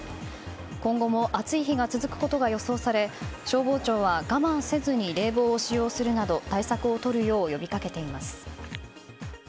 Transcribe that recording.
今後も暑い日が続くことが予想され消防庁は我慢せずに冷房を使用するなど対策をとるよう呼びかけています。